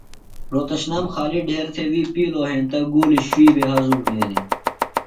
رھوتشنام خالیۡ ڈھیر تھےۡ وی پِیلوۡ ہینتہ گُولیۡ شُوئی بھےۡ ہضُم بھینیۡ۔